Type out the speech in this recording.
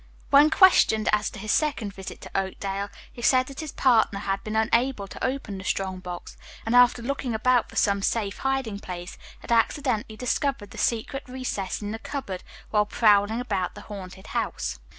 When questioned as to his second visit to Oakdale, he said that his partner had been unable to open the strong box, and after looking about for some safe hiding place, had accidentally discovered the secret recess in the cupboard, while prowling about the haunted house.